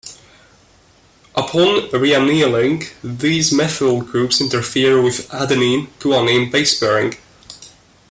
Upon re-annealing, these methyl groups interfere with adenine-guanine base-pairing.